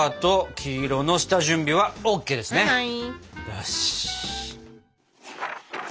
よし！